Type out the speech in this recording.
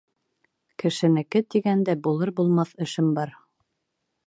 Кешенеке тигәндә, булыр-булмаҫ эшем бар.